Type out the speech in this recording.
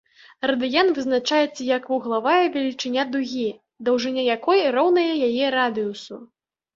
Радыян вызначаецца як вуглавая велічыня дугі, даўжыня якой роўная яе радыусу.